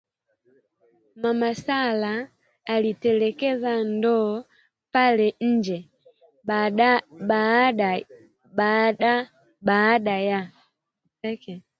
Mama Sarah aliitelekeza ndoo pale nje baada ya